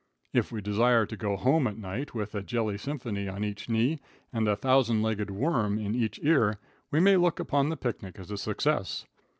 If we desire to go home at night with a jelly symphony on each knee and a thousand legged worm in each ear, we may look upon the picnic as a success.